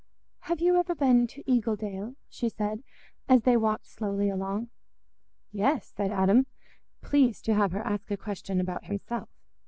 "Have you ever been to Eagledale?" she said, as they walked slowly along. "Yes," said Adam, pleased to have her ask a question about himself.